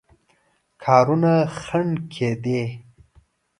کارونو خنډ کېدی.